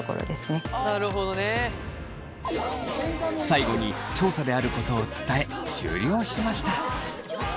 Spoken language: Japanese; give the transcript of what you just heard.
最後に調査であることを伝え終了しました。